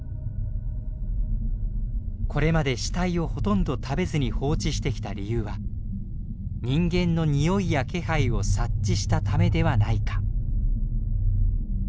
これまで死体をほとんど食べずに放置してきた理由は人間のにおいや気配を察知したためではないか。